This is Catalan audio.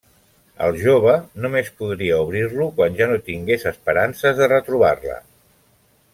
El jove només podria obrir-lo quan ja no tingués esperances de retrobar-la.